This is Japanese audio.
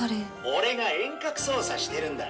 俺が遠隔操作してるんだ。